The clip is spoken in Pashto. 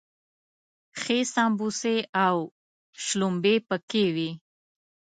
ښې سمبوسې او شلومبې پکې وي.